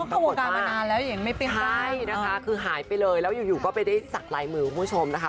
ประกวดมาใช่นะคะคือหายไปเลยแล้วอยู่ก็ไปได้ศักดิ์ลายมือคุณผู้ชมนะคะ